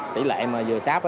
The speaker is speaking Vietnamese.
tỷ lệ mà vừa sáp